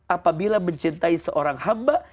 apabila mencintai seorang hamba